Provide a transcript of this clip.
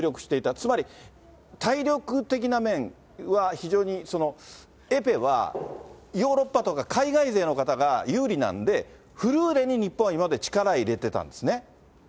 つまり、体力的な面は非常に、エペはヨーロッパとか海外勢の方が有利なんで、フルーレに日本は今まで力入れてたんですね。